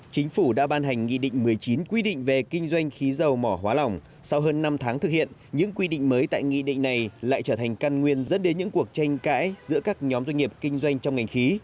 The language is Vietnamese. chính phủ đã ban hành nghị định một mươi chín quy định về kinh doanh khí dầu mỏ hóa lỏng sau hơn năm tháng thực hiện những quy định mới tại nghị định này lại trở thành căn nguyên dẫn đến những cuộc tranh cãi giữa các nhóm doanh nghiệp kinh doanh trong ngành khí